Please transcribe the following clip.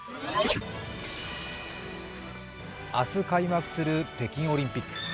明日開幕する北京オリンピック。